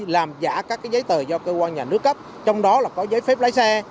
làm giả các giấy tờ do cơ quan nhà nước cấp trong đó là có giấy phép lái xe